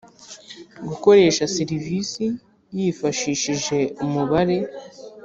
gukoresha serivisi yifashishije umubare